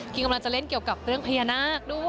กำลังจะเล่นเกี่ยวกับเรื่องพญานาคด้วย